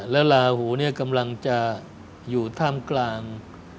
แล้วลาหูเนี่ยกำลังจะอยู่ท่ามกลาง